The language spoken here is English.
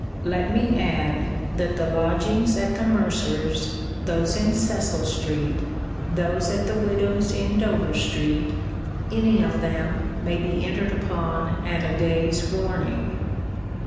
Let me add, that the lodgings at the mercer's, those in Cecil street, those at the widow's in Dover street, any of them, may be entered upon at a day's warning.